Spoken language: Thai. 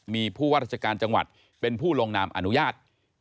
มีผู้ว่าราชการจังหวัดเป็นผู้ลงนามอนุญาต